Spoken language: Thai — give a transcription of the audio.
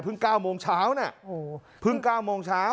เพิ่งเก้าโมงเช้าน่ะโอ้โหเพิ่งเก้าโมงเช้า